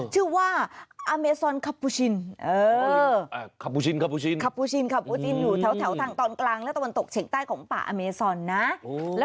ชื่อว่าอเมซอนคัปปูชินอยู่แถวทางตอนกลางและตะวันตกเฉียงใต้ของป่าอเมซอนนะ